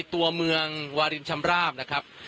ตอนนี้ผมอยู่ในพื้นที่อำเภอโขงเจียมจังหวัดอุบลราชธานีนะครับ